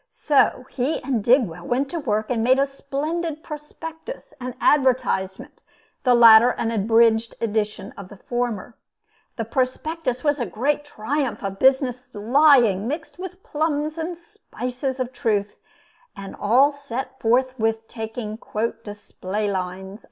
So he and Digwell went to work and made a splendid prospectus and advertisement, the latter an abridged edition of the former. This prospectus was a great triumph of business lying mixed with plums and spices of truth, and all set forth with taking "display lines."